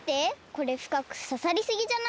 これふかくささりすぎじゃない？